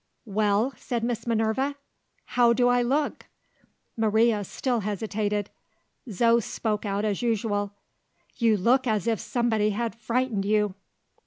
"Well?" said Miss Minerva. "How do I look?" Maria still hesitated. Zo spoke out as usual. "You look as if somebody had frightened you."